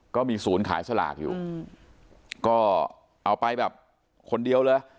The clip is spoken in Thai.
ก็มีศูนย์ขายสลากอยู่ก็เอาไปแบบคนเดียวเลย